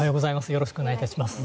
よろしくお願いします。